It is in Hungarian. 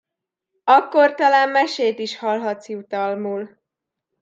Akkor talán mesét is hallhatsz jutalmul.